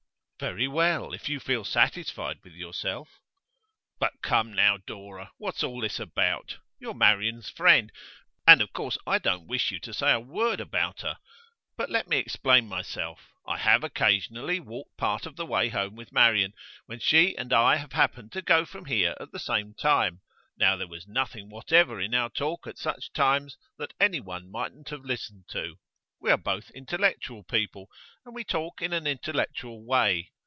'Very well, if you feel satisfied with yourself ' 'But come now, Dora; what's all this about? You are Marian's friend, and, of course, I don't wish you to say a word about her. But let me explain myself. I have occasionally walked part of the way home with Marian, when she and I have happened to go from here at the same time; now there was nothing whatever in our talk at such times that anyone mightn't have listened to. We are both intellectual people, and we talk in an intellectual way.